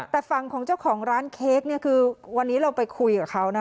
แต่ฝั่งของเจ้าของร้านเค้กเนี่ยคือวันนี้เราไปคุยกับเขานะคะ